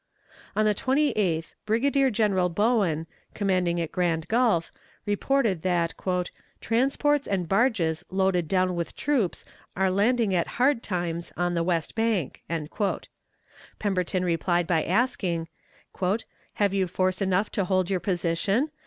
On the 28th Brigadier General Bowen, commanding at Grand Gulf, reported that "transports and barges loaded down with troops are landing at Hard Times on the west bank." Pemberton replied by asking: "Have you force enough to hold your position?